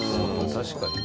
確かにね。